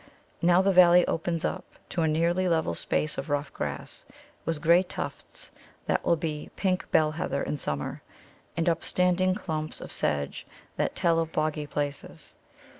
Now the valley opens out to a nearly level space of rough grass, with grey tufts that will be pink bell heather in summer, and upstanding clumps of sedge that tell of boggy places.